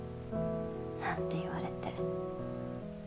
なんて言われて。